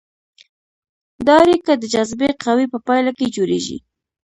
دا اړیکه د جاذبې قوې په پایله کې جوړیږي.